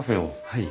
はい。